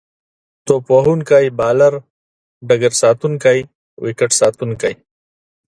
توپ وهونکی، بالر، ډګرساتونکی، ويکټ ساتونکی